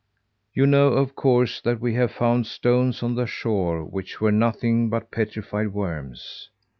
You know, of course, that we have found stones on the shore which were nothing but petrified worms.